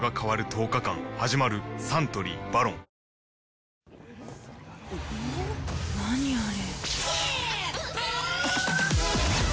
サントリー「ＶＡＲＯＮ」あれ？